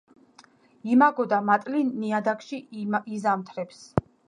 იმაგო და მატლი ნიადაგში იზამთრებს.